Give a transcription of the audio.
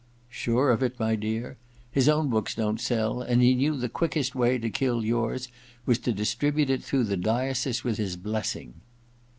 * Sure of it, my dear. His own books don't sell, and he knew the quickest way to kill yours was to distribute it through the diocese with his blessing.'